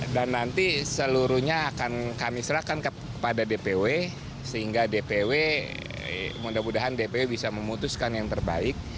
dan nanti seluruhnya akan kami serahkan kepada dpw sehingga dpw mudah mudahan dpw bisa memutuskan yang terbaik